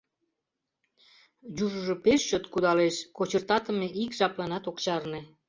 Южыжо пеш чот кудалеш, кочыртатыме ик жапланат ок чарне.